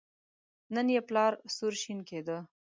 نن یې پلار سور شین کېده.